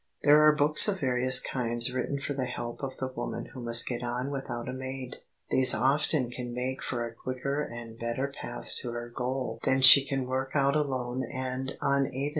There are books of various kinds written for the help of the woman who must get on without a maid. These often can make for her a quicker and better path to her goal than she can work out alone and unaided.